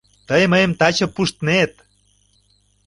Тый мыйым таче пуштнет!